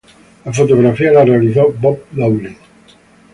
La fotografía la realizó Bob Dowling.